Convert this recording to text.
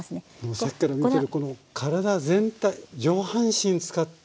さっきから見てると体全体上半身使って。